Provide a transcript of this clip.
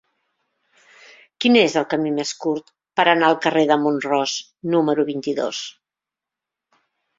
Quin és el camí més curt per anar al carrer de Mont-ros número vint-i-dos?